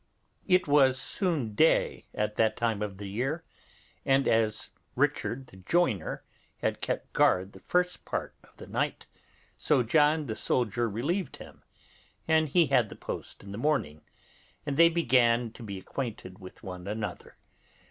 It was soon day at that time of the year, and as Richard the joiner had kept guard the first part of the night, so John the soldier relieved him, and he had the post in the morning, and they began to be acquainted with one another.